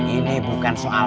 ini bukan soal hp